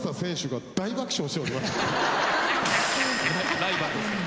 ライバルですからね。